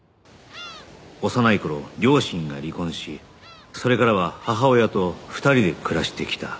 幼い頃両親が離婚しそれからは母親と２人で暮らしてきた